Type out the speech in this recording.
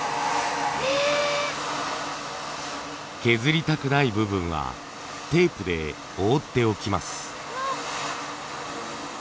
削りたくない部分はテープで覆っておきます。